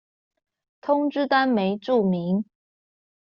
通知單沒註明